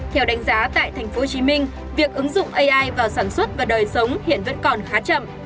theo đánh giá tại tp hcm việc ứng dụng ai vào sản xuất và đời sống hiện vẫn còn khá chậm